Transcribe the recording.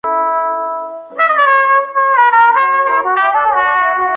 Se considera judío y negro.